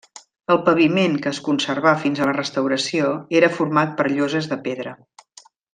El paviment que es conservà fins a la restauració era format per lloses de pedra.